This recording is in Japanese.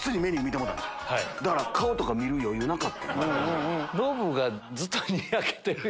だから顔とか見る余裕なかった今。